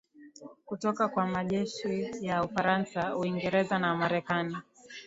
kutoka kwa majeshi ya ufaransa uingereza na marekani